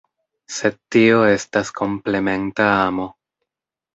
Sed tio estas komplementa amo.